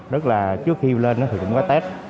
rất là trước khi lên thì cũng có test